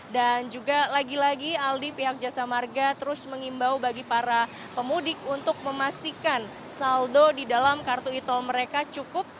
dan juga lagi lagi aldi pihak jasa marga terus mengimbau bagi para pemudik untuk memastikan saldo di dalam kartu itol mereka cukup